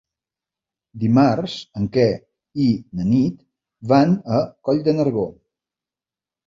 Dimarts en Quer i na Nit van a Coll de Nargó.